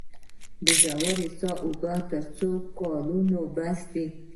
د ژورې څاه اوبه تر څو کلونو بس دي؟